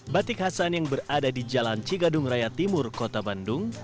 batik hasan yang berada di jalan cigadung raya timur kota bandung